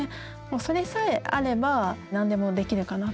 それさえあれば何でもできるかなと。